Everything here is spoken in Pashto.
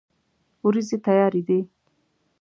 ورېځې تیارې دي